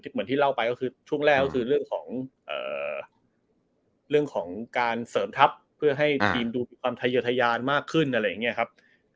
เหมือนที่เล่าไปก็คือช่วงแรกก็คือเรื่องของเรื่องของการเสริมทัพเพื่อให้ทีมดูมีความทะเยอะทะยานมากขึ้นอะไรอย่างนี้ครับ